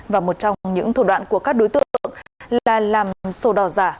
và một trong những thủ đoạn của các đối tượng là làm sổ đỏ giả